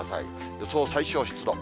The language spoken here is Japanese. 予想最小湿度。